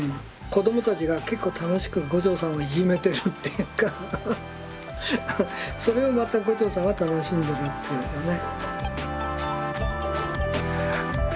子どもたちが結構楽しく牛腸さんをいじめてるっていうかそれをまた牛腸さんは楽しんでるというのね。